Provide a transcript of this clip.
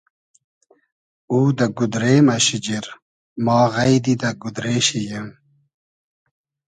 او دۂ گودرې مۂ شیجیر, ما غݷدی دۂ گودرې شی ییم